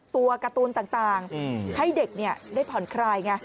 ตัวการ์ตูนต่างให้เด็กได้ผ่อนคลายไง